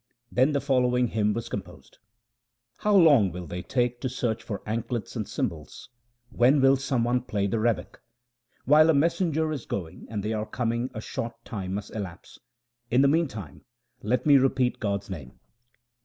Then the following hymn was composed :— How long will they take to search for anklets and cym bals ? when will some one play the rebeck ? While a messenger is going and they are coming a short time must elapse ; in the meantime let me repeat God's name.